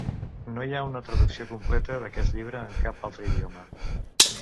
No hi ha una traducció completa d'aquest llibre en cap altre idioma.